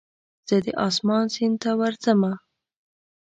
زه د اسمان سیند ته ورځمه